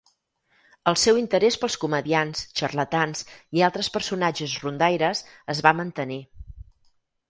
El seu interès pels comediants, xarlatans i altres personatges rondaires es va mantenir.